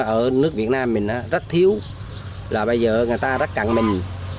ở nước việt nam mình rất thiếu là bây giờ người ta rất cặn mình